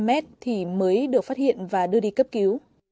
ba trăm linh m thì mới được phát hiện và đưa đi cấp cứu